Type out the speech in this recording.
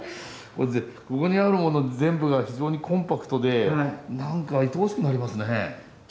ここにあるもの全部が非常にコンパクトで何かいとおしくなりますね。